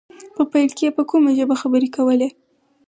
په پيل کې يې په کومه ژبه خبرې کولې.